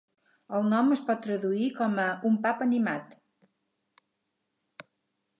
El nom es pot traduir com a "un pub animat".